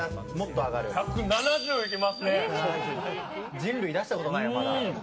人類出したことないよ、まだ。